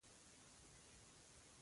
ارزونې له مخې سرلارو کې راځي.